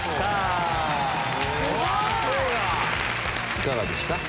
いかがでした？